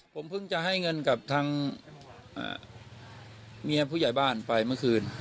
ผมเพิ่งจะให้เงินกับทางเมียผู้ใหญ่บ้านไปเมื่อคืน